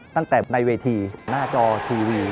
ตั้งแต่ในเวทีหน้าจอทีวี